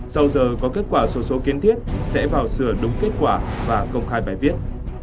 sau giờ có kết quả sổ số kiến thiết sẽ vào sửa đúng kết quả và công khai bài viết